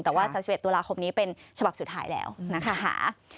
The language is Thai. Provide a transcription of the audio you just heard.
แต่ว่า๓๑ตุลาคมนี้เป็นฉบับสุดท้ายแล้วนะคะ